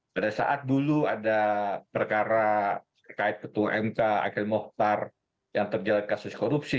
pada saat dulu ada perkara terkait ketua mk akil muhtar yang terjadi kasus korupsi